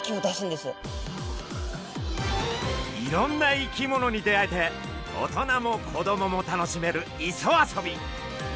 いろんな生き物に出会えて大人も子供も楽しめる磯遊び。